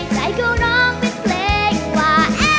ใจก็ร้องเป็นเพลงว่า